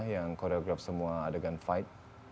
yang koreograf semua adegan fight